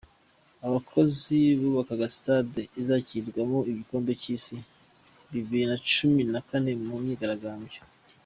Abakozi bubakaga sitade izakinirwaho igikombe cy’isi bibiri na cumi na kane mu myigaragambyo